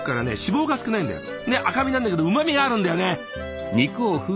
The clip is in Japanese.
で赤身なんだけどうまみがあるんだよね。